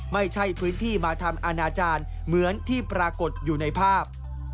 ไม่ใช่พื้นที่มาทำอนาจารย์เหมือนที่ปรากฏอยู่ในภาพ